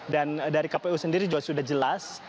dan dari kpu sendiri juga sudah jelas